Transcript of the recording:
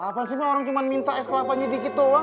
apaan sih ini orang cuma minta es kelapa aja dikit doang